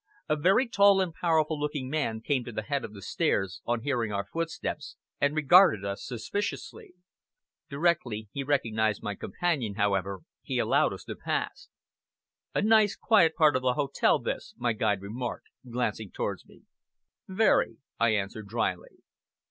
A very tall and powerful looking man came to the head of the stairs, on hearing our footsteps, and regarded us suspiciously. Directly he recognized my companion, however, he allowed us to pass. "A nice quiet part of the hotel this," my guide remarked, glancing towards me. "Very!" I answered dryly.